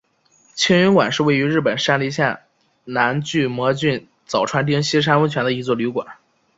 庆云馆是位于日本山梨县南巨摩郡早川町西山温泉的一座旅馆。